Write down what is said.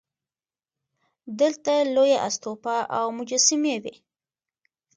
دلته لویه استوپا او مجسمې وې